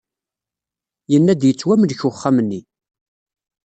Yenna-d yettwamlek wexxam-nni.